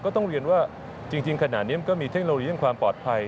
ต้องเรียนว่าจริงขณะนี้มันก็มีเทคโนโลยีเรื่องความปลอดภัย